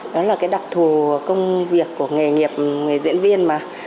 đó là cái đặc thù công việc của nghề nghiệp nghề diễn viên mà